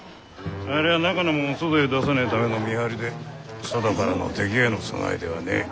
ありゃあ中のもんを外へ出さねえための見張りで外からの敵への備えではねえ。